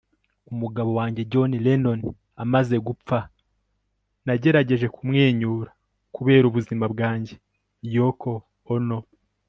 umugabo wanjye john lennon amaze gupfa, nagerageje kumwenyura kubera ubuzima bwanjye. - yoko ono